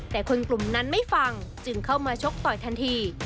แต่คนกลุ่มนั้นไม่ฟังจึงเข้ามาชกต่อยทันที